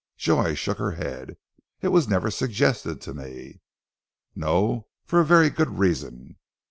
Joy shook her head. "It was never suggested to me!" "No for a very good reason.